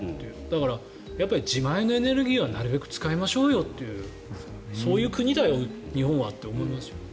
だから、自前のエネルギーはなるべく使いましょうよというそういう国だよ、日本はと思いますよね。